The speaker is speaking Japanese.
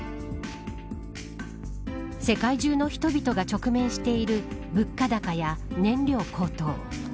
世界中の人々が直面している物価高や燃料高騰。